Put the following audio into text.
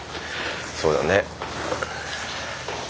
そうだよね。